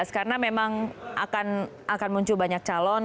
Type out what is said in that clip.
karena memang akan muncul banyak calon